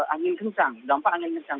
angin kencang dampak angin kencang